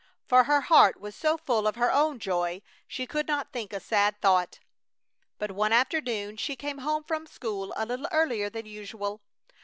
For her heart was so full of her own joy she could not think a sad thought. But one afternoon she came home from school a little earlier than usual.